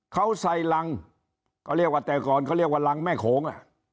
เขาใส่รังก็เรียกว่าแต่ก่อนเขาเรียกว่ารังแม่โขง